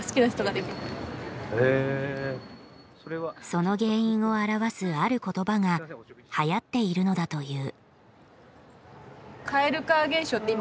その原因を表すある言葉がはやっているのだという。